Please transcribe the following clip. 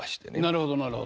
なるほどなるほど。